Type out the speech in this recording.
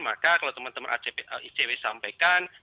maka kalau teman teman icw sampaikan